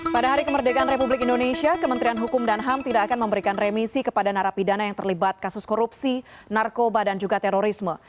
pada hari kemerdekaan republik indonesia kementerian hukum dan ham tidak akan memberikan remisi kepada narapidana yang terlibat kasus korupsi narkoba dan juga terorisme